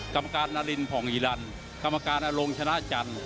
กรรมการนารินผ่องอีรันกรรมการอลงชนะจันทร์